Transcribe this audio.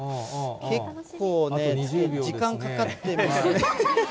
結構ね、時間かかってますね。